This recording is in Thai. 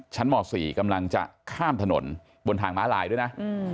ม๔กำลังจะข้ามถนนบนทางม้าลายด้วยนะ